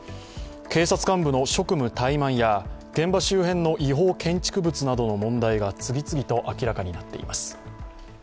警察幹部の職務怠慢や現場周辺の違法建築物などの問題が次々と明らかになっています。